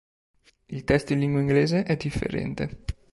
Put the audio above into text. Il testo in lingua inglese è differente.